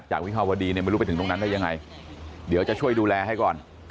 วิภาวดีเนี่ยไม่รู้ไปถึงตรงนั้นได้ยังไงเดี๋ยวจะช่วยดูแลให้ก่อน